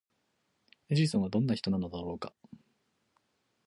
エジソンはどんな人なのだろうか？